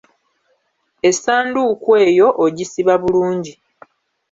Essanduuku eyo ogisiba bulungi.